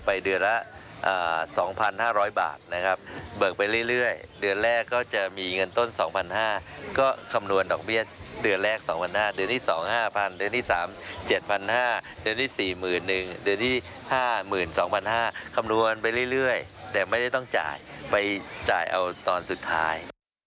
ไปจ่ายเอาตอนสุดท้าย